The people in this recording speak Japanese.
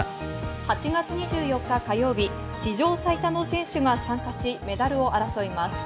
８月２４日、火曜日、史上最多の選手が参加し、メダルを争います。